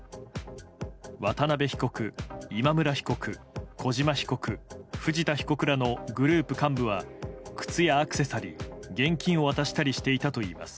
渡辺被告、今村被告小島被告、藤田被告らのグループ幹部は靴やアクセサリー現金を渡していたといいます。